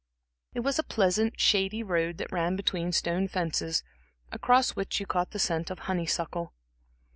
It was a pleasant, shady road, that ran between stone fences, across which you caught the scent of honey suckle.